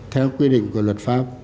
theo quy định của luật pháp